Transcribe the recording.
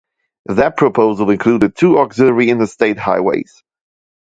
That proposal included two auxiliary Interstate highways.